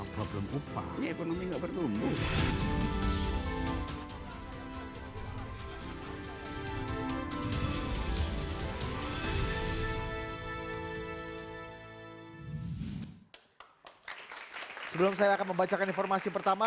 sebelum saya akan membacakan informasi pertama